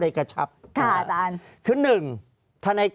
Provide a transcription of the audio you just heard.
ภารกิจสรรค์ภารกิจสรรค์